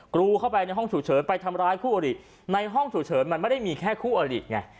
กรูเข้าไปในห้องฉุกเฉินไปทำร้ายคู่อริในห้องฉุกเฉินมันไม่ได้มีแค่คู่อริไง